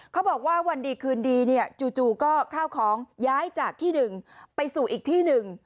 เขาบอกว่าวันดีคืนดีเนี่ยจู่ก็ข้าวของย้ายจากที่หนึ่งไปสู่อีกที่หนึ่ง